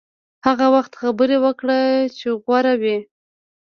هغه وخت خبرې وکړه چې غوره وي.